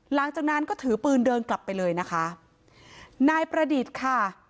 หลังจากนั้นก็ถือปืนเดินกลับไปเลยนะคะนายประดิษฐ์ค่ะ